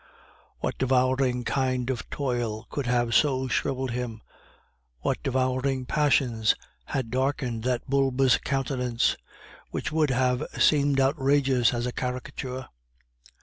What devouring kind of toil could have so shriveled him? What devouring passions had darkened that bulbous countenance, which would have seemed outrageous as a caricature?